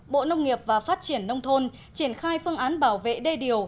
bộ nông nghiệp và phát triển nông thôn triển khai phương án bảo vệ đê điều